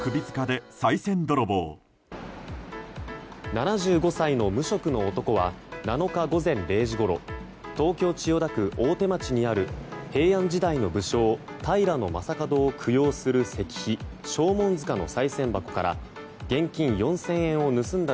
７５歳の無職の男は７日午前０時ごろ東京・千代田区大手町にある平安時代の武将平将門を供養する石碑将門塚のさい銭箱から現金４０００円を盗んだ